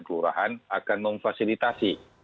kelurahan akan memfasilitasi